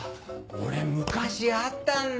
俺昔あったんだよ。